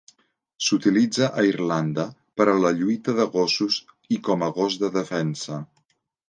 S'utilitza a Irlanda per a la lluita de gossos i com a gos de defensa.